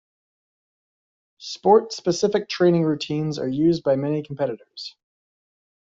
Sport-specific training routines are used by many competitors.